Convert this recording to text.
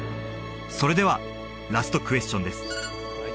それではラストクエスチョンです